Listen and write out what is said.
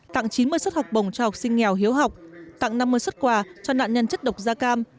tặng chín mươi suất học bổng cho học sinh nghèo hiếu học tặng năm mươi xuất quà cho nạn nhân chất độc da cam